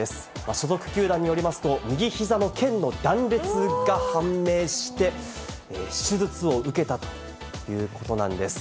所属球団によりますと、右ひざのけんの断裂が判明して、手術を受けたということなんです。